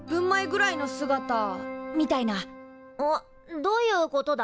どういうことだ？